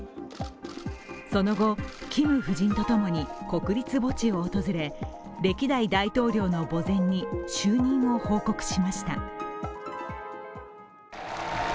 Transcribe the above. その後、キム夫人と共に国立墓地を訪れ、歴代大統領の墓前に就任を報告しました。